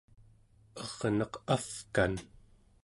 erneq avkan